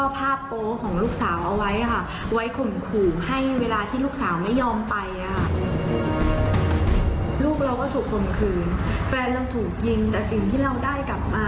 โปรดติดตามตอนต่อไป